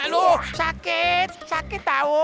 aduh sakit sakit tau